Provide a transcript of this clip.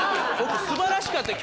素晴らしかったよ！